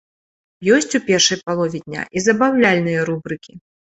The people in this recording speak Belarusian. Ёсць у першай палове дня і забаўляльныя рубрыкі.